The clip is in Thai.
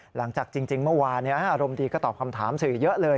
หลังจากจริงเมื่อวานอารมณ์ดีก็ตอบคำถามสื่อเยอะเลย